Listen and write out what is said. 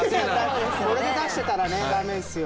これで出してたらねダメですよ。